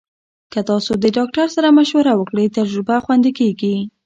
که تاسو د ډاکټر سره مشوره وکړئ، تجربه خوندي کېږي.